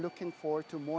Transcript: model yang lebih banyak